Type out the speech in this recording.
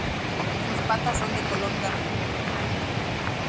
Sus patas son de color carne.